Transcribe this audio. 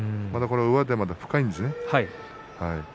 上手がまだ深いんですね。